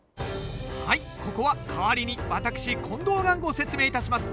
はいここは代わりに私近藤がご説明いたします。